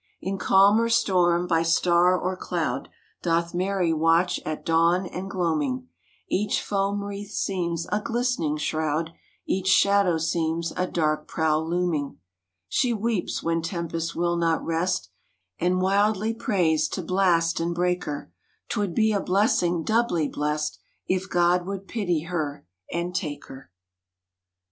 In calm or storm, by star or cloud Doth Mary watch at dawn and gloaming, Each foam wreath seems a glistening shroud, Each shadow seems a dark prow looming. She weeps when tempests will not rest, And wildly prays to blast and breaker ; 'T would be a blessing doubly blest If God would pity her and take her.